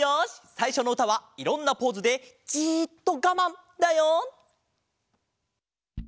さいしょのうたはいろんなポーズでじっとガマンだよ！